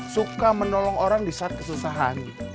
suka menolong orang disaat kesusahan